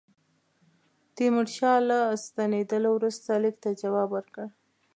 تیمورشاه له ستنېدلو وروسته لیک ته جواب ورکړ.